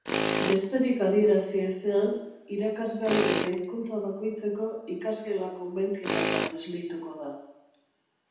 Besterik adierazi ezean, irakasgai eta hizkuntza bakoitzeko ikasgela konbentzional bat esleituko da.